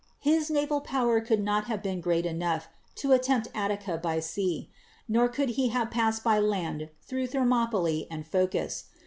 His naval power could not have been great enough to attempt Attica by sea ; nor could he have passed by land through Therniopylffi and Phocis.